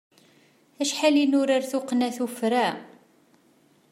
Acḥal i nurar tuqqna tuffra!